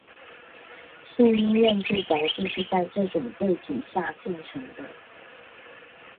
胜因院住宅就是在这种背景下建成的。